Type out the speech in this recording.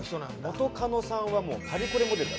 元カノさんはもうパリコレモデル。